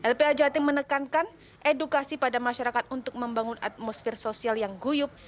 lpa jatim menekankan edukasi pada masyarakat untuk membangun atmosfer sosial yang guyup